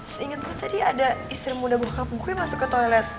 seinget gue tadi ada istri muda gue kabuk gue masuk ke toilet